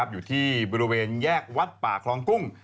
อยู่ที่บริเวณแยกวัดป่าคลองกุ้ง